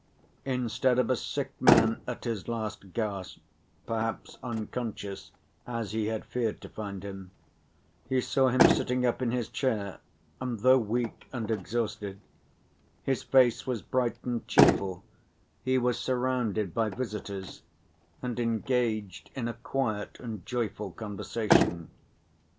Instead of a sick man at his last gasp, perhaps unconscious, as he had feared to find him, he saw him sitting up in his chair and, though weak and exhausted, his face was bright and cheerful, he was surrounded by visitors and engaged in a quiet and joyful conversation.